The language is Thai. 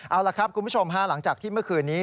เอาล่ะครับคุณผู้ชมฮะหลังจากที่เมื่อคืนนี้